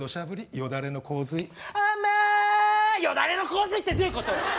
よだれの洪水ってどういうことよ！